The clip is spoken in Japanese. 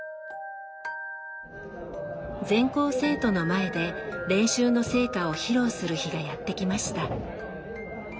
全校生徒の前で練習の成果を披露する日がやって来ました。